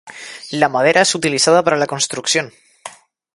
La madera es utilizada para la construcción.